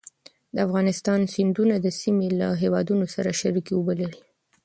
د افغانستان سیندونه د سیمې له هېوادونو سره شریکې اوبه لري.